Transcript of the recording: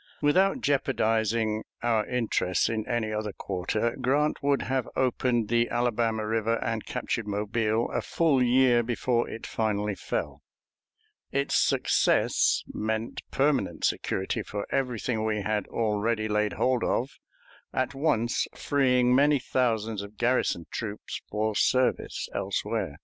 Without jeoparding our interests in any other quarter, Grant would have opened the Alabama River and captured Mobile a full year before it finally fell. Its success meant permanent security for everything we had already laid hold of, at once freeing many thousands of garrison troops for service elsewhere.